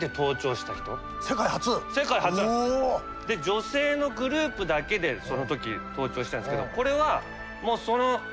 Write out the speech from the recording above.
女性のグループだけでその時登頂したんですけどこれは後にも先にもその一回だけ。